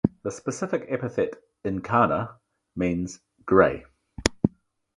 The specific epithet ("incana") means "grey".